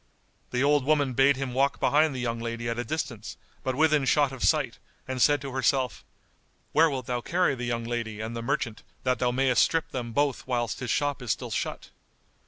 The old woman bade him walk behind the young lady at a distance but within shot of sight and said to herself, "Where wilt thou carry the young lady and the merchant that thou mayest strip them both whilst his shop is still shut?"